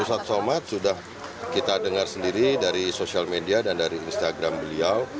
ustadz somad sudah kita dengar sendiri dari sosial media dan dari instagram beliau